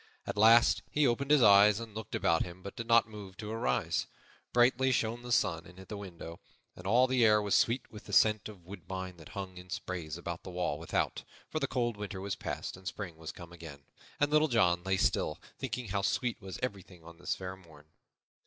At last he opened his eyes and looked about him but did not move to arise. Brightly shone the sun in at the window, and all the air was sweet with the scent of woodbine that hung in sprays about the wall without, for the cold winter was past and spring was come again, and Little John lay still, thinking how sweet was everything on this fair morn.